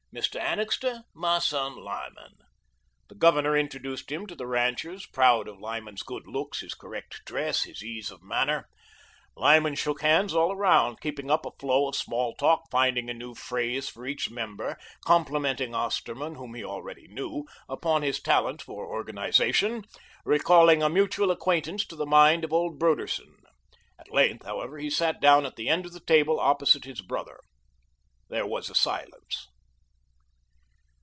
Mr. Annixter, my son, Lyman." The Governor introduced him to the ranchers, proud of Lyman's good looks, his correct dress, his ease of manner. Lyman shook hands all around, keeping up a flow of small talk, finding a new phrase for each member, complimenting Osterman, whom he already knew, upon his talent for organisation, recalling a mutual acquaintance to the mind of old Broderson. At length, however, he sat down at the end of the table, opposite his brother. There was a silence.